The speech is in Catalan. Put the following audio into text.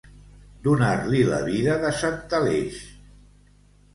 Donar-li la vida de sant Aleix.